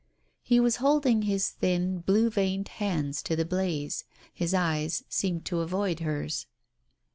He was holding his thin, blue veined hands to the blaze. His eyes seemed to avoid hers.